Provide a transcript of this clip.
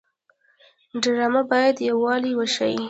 ډرامه باید یووالی وښيي